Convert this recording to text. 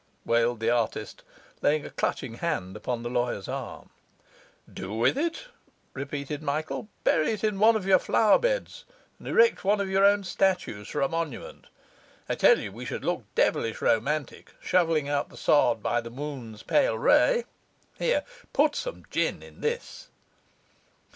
walled the artist, laying a clutching hand upon the lawyer's arm. 'Do with it?' repeated Michael. 'Bury it in one of your flowerbeds, and erect one of your own statues for a monument. I tell you we should look devilish romantic shovelling out the sod by the moon's pale ray. Here, put some gin in this.